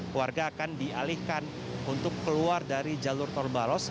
keluarga akan dialihkan untuk keluar dari jalur tol baros